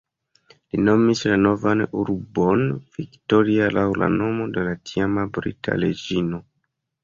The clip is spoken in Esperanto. Li nomis la novan urbon Victoria laŭ la nomo de la tiama brita reĝino.